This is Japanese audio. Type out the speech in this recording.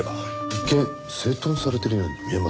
一見整頓されてるように見えますね。